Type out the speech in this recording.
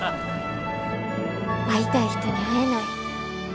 会いたい人に会えない。